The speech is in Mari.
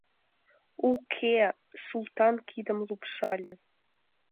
— Уке-э— Султан кидым лупшале.